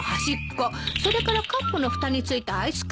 それからカップのふたに付いたアイスクリーム。